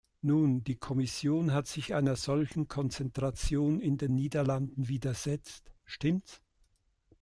Nun, die Kommission hat sich einer solchen Konzentration in den Niederlanden widersetzt, stimmts?